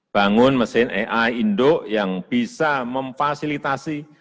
bangun mesin ai indo yang bisa memfasilitasi